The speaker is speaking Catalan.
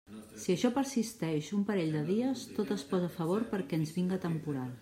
Si això persisteix un parell de dies, tot es posa a favor perquè ens vinga temporal.